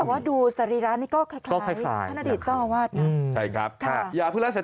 แต่ว่าดูสรีร้านนี้ก็คล้ายพระณดิตเจ้าอาวาสนะ